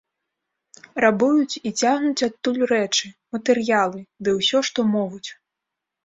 Рабуюць і цягнуць адтуль рэчы, матэрыялы, ды ўсё, што могуць.